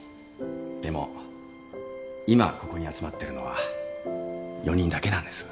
でも今ここに集まってるのは４人だけなんです。